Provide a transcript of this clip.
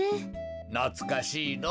なつかしいのぉ。